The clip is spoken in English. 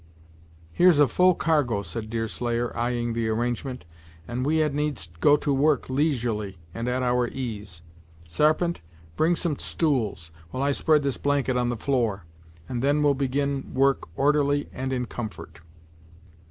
"Here's a full cargo," said Deerslayer, eyeing the arrangement, "and we had needs go to work leisurely and at our ease. Sarpent, bring some stools while I spread this blanket on the floor, and then we'll begin work orderly and in comfort."